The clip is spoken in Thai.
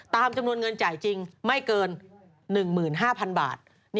ตามจำนวนเงินจ่ายจริงไม่เกิน๑๕๐๐๐บาท